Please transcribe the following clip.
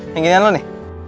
yang ginian lu nih